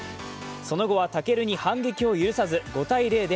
その後は武尊に反撃を許さず５−０。